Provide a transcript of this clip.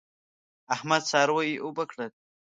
احمد څاروي اوبه کړل.